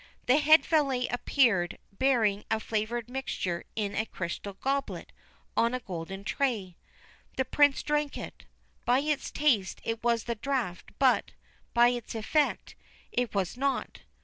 The head valet appeared, bearing a flavoured mixture in a crystal goblet on a golden tray. The Prince drank it. By its taste it was the draught, but, by its effect, it was not.